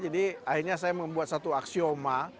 jadi akhirnya saya membuat satu aksioma